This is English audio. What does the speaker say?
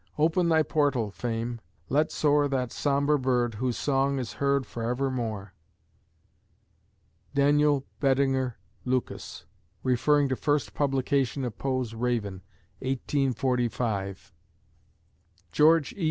Open thy portal, Fame! Let soar That sombre bird, whose song is heard forevermore. DANIEL BEDINGER LUCAS (Referring to first publication of Poe's Raven, 1845) _George E.